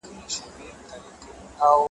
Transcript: دا یې ګز دا یې میدان ,